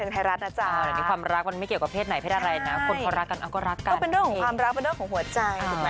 จะร่อนการเลยค่ะแต่คิดว่าไม่น่า